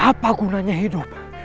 apa gunanya hidup